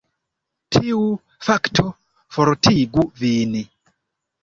Tiu fakto fortigu vin.